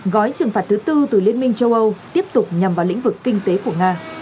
gói trừng phạt thứ tư từ liên minh châu âu tiếp tục nhằm vào lĩnh vực kinh tế của nga